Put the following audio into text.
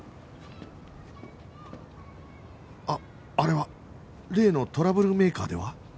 あっあれは例のトラブルメーカーでは？